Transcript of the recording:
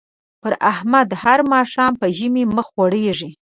پر احمد هر ماښام په ژمي مخ غوړېږي.